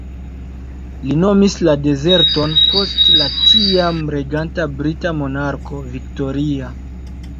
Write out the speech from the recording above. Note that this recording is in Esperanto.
Li nomis la dezerton post la tiam-reganta brita monarko, Viktoria.